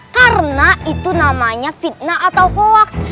karena itu namanya fitnah atau hoaks